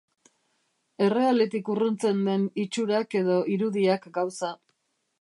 Errealetik urruntzen den itxurak edo irudiak gauza.